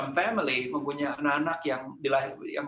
ada keluarga yang mempunyai anak anak yang